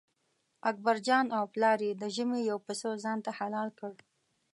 اکبرجان او پلار یې د ژمي یو پسه ځانته حلال کړ.